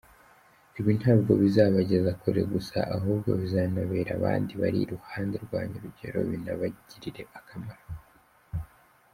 Ibi ntabwo bizabageza kure gusa ahubwo bizanabera abandi bari iruhande rwanyu urugero binabagirire akamaro.”